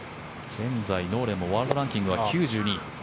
現在、ノーレンもワールドランキングは９２位。